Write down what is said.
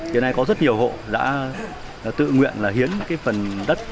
hiện nay có rất nhiều hộ đã tự nguyện là hiến cái phần đất